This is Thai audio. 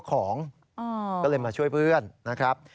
ก็เลยมาช่วยเพื่อนนะครับ